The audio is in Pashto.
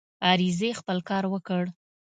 عریضې خپل کار وکړ.